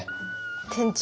店長。